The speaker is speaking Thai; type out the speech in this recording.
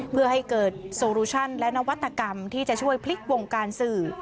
เพื่อให้เกิดโซลูชั่นและนวัตกรรมที่จะช่วยพลิกวงการสื่อ